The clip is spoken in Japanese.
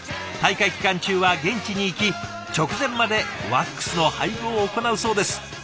大会期間中は現地に行き直前までワックスの配合を行うそうです。